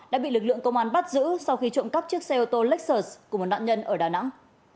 đã bị lực lượng công an bắt giữ sau khi trộm cắp chiếc xe ô tô laxert của một nạn nhân ở đà nẵng